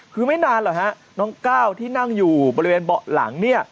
คือไม่นานหรอกฮะน้องก้าวที่นั่งอยู่บริเวณเบาะหลังเนี่ย